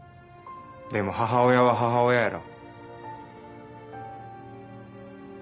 でも母親は母親やろ。